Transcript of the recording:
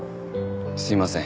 すいません。